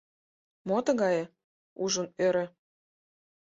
Мо тыгае! — ужын ӧрӧ: